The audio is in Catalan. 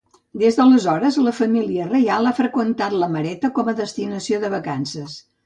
Des d'aleshores la família reial ha freqüentat La Mareta com a destinació de vacances.